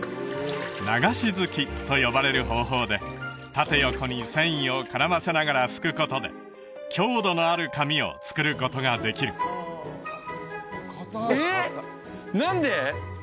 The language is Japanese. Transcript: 「流し漉き」と呼ばれる方法で縦横に繊維を絡ませながらすくことで強度のある紙を作ることができるえっ！？何で？